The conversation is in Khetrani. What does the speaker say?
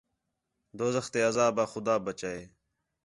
دوزخ تے عذاب آ خُدا ٻچائے